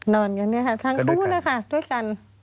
นอนกันนะคะทั้งคู่นะคะด้วยกัน